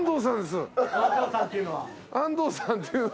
安藤さんっていうのは。